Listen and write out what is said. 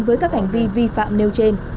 với các hành vi vi phạm nêu trên